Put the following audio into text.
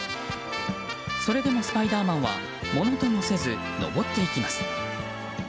それでもスパイダーマンはものともせず登っていきます。